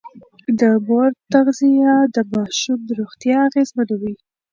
د مور تغذيه د ماشوم روغتيا اغېزمنوي.